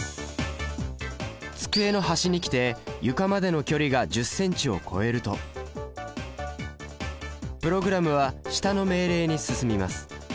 机の端に来て床までの距離が１０ｃｍを超えるとプログラムは下の命令に進みます。